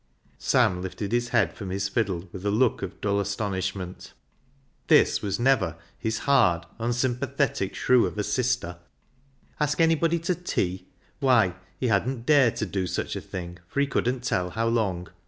Sam lifted his head from his fiddle with a look of dull astonishment. This was never 117 ii8 BECKSIDE LIGHTS his hard, unsympathetic shrew of a sister ! Ask anybody to tea ! Why he hadn't dared to do such a thing for he couldn't tell how long.